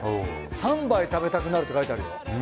「３杯食べたくなる」って書いてあるよ。